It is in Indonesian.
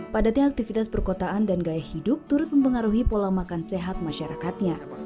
padatnya aktivitas perkotaan dan gaya hidup turut mempengaruhi pola makan sehat masyarakatnya